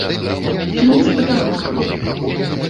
І не з падарункам.